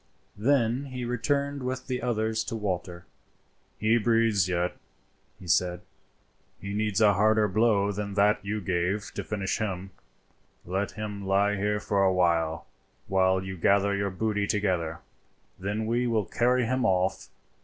Then he returned with the others to Walter. "He breathes yet," he said. "He needs a harder blow than that you gave him to finish him. Let him lie here for a while, while you gather your booty together; then we will carry him off.